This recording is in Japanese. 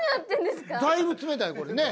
だいぶ冷たいこれね。